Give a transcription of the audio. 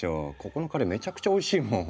ここのカレーめちゃくちゃおいしいもん。